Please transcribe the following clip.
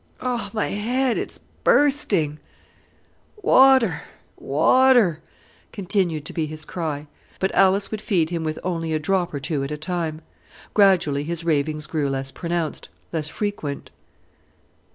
"Oh, my head! it's bursting." "Water! water!" continued to be his cry; but Alice would feed him with only a drop or two at a time. Gradually his ravings grew less pronounced, less frequent.